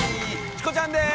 チコちゃんです。